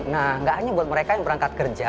nah nggak hanya buat mereka yang berangkat kerja